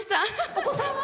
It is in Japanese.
お子さんは？